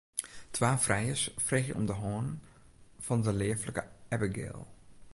Twa frijers freegje om de hân fan de leaflike Abigail.